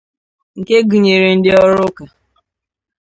nke gụnyere ndị ọrụ ụka